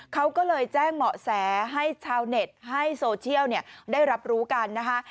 เขาก็เลยแจ้งเหมาะแสให้ชาวเน็ตให้โซเชียลได้รับรู้กันนะคะ